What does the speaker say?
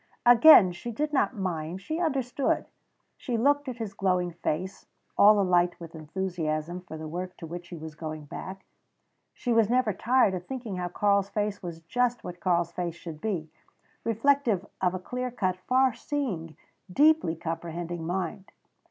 Again she did not mind; she understood. She looked at his glowing face, all alight with enthusiasm for the work to which he was going back. She was never tired of thinking how Karl's face was just what Karl's face should be reflective of a clear cut, far seeing, deeply comprehending mind.